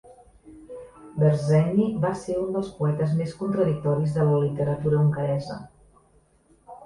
Berzsenyi va ser un dels poetes més contradictoris de la literatura hongaresa.